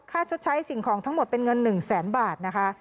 ชดใช้สิ่งของทั้งหมดเป็นเงิน๑แสนบาทนะคะ